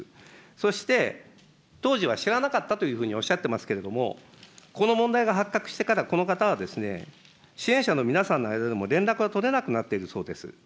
そして、当時は知らなかったというふうにおっしゃってますけれども、この問題が発覚してからこの方は、支援者の皆さんの間でも連絡が取れなくなっているそうです。